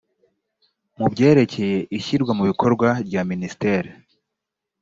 mu byerekeye ishyirwa mu bikorwa rya minisiteri